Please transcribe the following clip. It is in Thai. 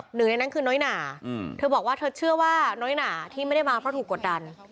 หนึ่งในนั้นคือน้อยหนาเธอบอกว่าเธอเชื่อว่าน้อยหนาที่ไม่ได้มาเพราะถูกกดดัน